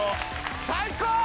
最高！